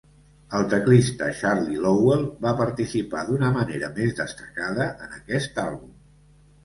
El teclista Charlie Lowell va participar d'una manera més destacada en aquest àlbum.